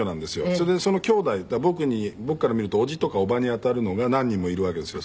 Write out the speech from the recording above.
それでそのきょうだいだから僕から見ると叔父とか叔母にあたるのが何人もいるわけですよ